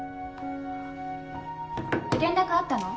連絡あったの？